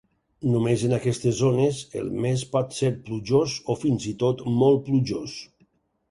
Només en aquestes zones el mes va ser plujós o fins i tot molt plujós.